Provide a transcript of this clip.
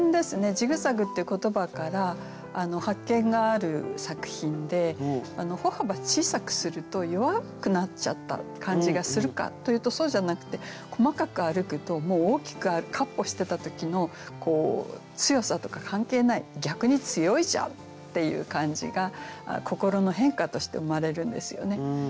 「ジグザグ」っていう言葉から発見がある作品で歩幅小さくすると弱くなっちゃった感じがするかというとそうじゃなくて細かく歩くと大きくかっ歩してた時の強さとか関係ない逆に強いじゃんっていう感じが心の変化として生まれるんですよね。